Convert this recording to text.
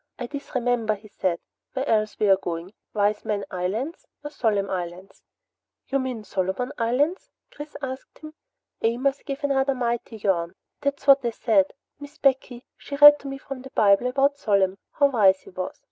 "I disremember," he said, "where else we're going. Wise Man islands, or Solemn Islands " "You mean, Solomon Islands?" Chris asked him. Amos gave another mighty yawn. "That's what I said. Miss Becky, she read to me from the Bible about Solemn, how wise he was."